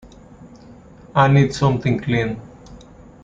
I need something clean.